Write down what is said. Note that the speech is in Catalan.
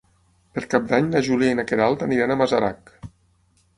Per Cap d'Any na Júlia i na Queralt aniran a Masarac.